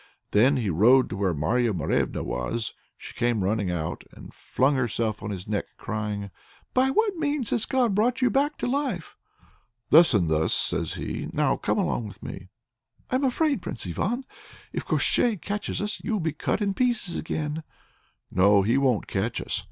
Then he rode to where Marya Morevna was. She came running out, and flung herself on his neck, crying: "By what means has God brought you back to life?" "Thus and thus," says he. "Now come along with me." "I am afraid, Prince Ivan! If Koshchei catches us, you will be cut in pieces again." "No, he won't catch us!